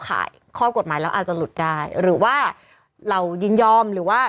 ขายข้อกฎหมายแล้วอาจจะหลุดได้หรือว่าเรายินยอมหรือว่า